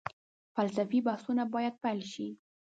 فلسفي بحثونه باید پيل شي.